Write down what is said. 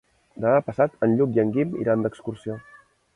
Demà passat en Lluc i en Guim iran d'excursió.